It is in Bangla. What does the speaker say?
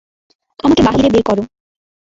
আমাকে বাহিরে বেরকরো।